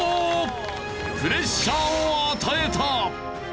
プレッシャーを与えた